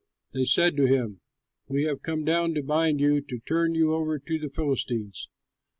They said to him, "We have come down to bind you, to turn you over to the Philistines."